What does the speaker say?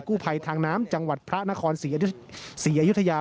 ภัยทางน้ำจังหวัดพระนครศรีอยุธยา